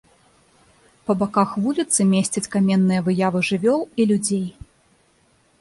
Па баках вуліцы месцяць каменныя выявы жывёл і людзей.